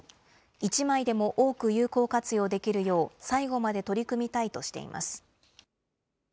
１枚でも多く有効活用できるよう、最後まで取り組みたいとしています。